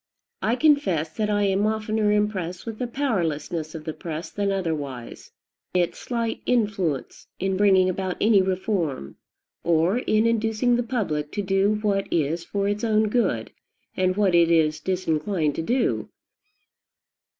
I confess that I am oftener impressed with the powerlessness of the press than otherwise, its slight influence in bringing about any reform, or in inducing the public to do what is for its own good and what it is disinclined to do.